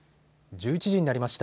１１時になりました。